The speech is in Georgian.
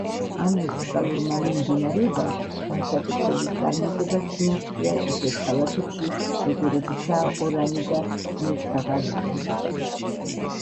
ამ მუსიკალურმა მიმდინარეობამ განსაკუთრებულ წარმატებას მიაღწია ისეთ ქალაქებში როგორებიცაა ორანი და მოსთაღანემი.